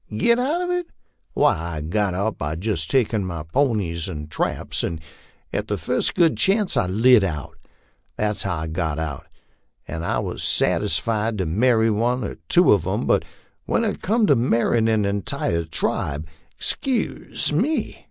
"* Get out of it? Why, I got out by jist takin' my ponies and traps, and the first good chance I lit out; that's how I got out. I was satisfied to marry one or two of 'em, but when it come to marryin' an intire tribe, 'souse me."